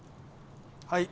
はい。